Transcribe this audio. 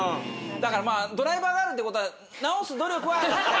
だからまあドライバーがあるって事は直す努力は。